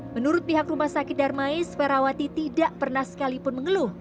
menurut pihak rumah sakit darmais ferawati tidak pernah sekalipun mengeluh